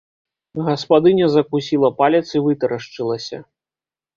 Гаспадыня закусіла палец і вытарашчылася.